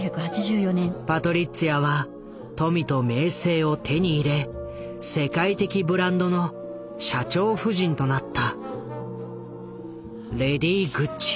パトリッツィアは富と名声を手に入れ世界的ブランドの社長夫人となった。